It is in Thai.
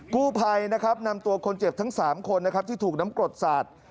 กู้ภัยนำตัวคนเจ็บทั้ง๓คนที่ถูกน้ำกรดสาด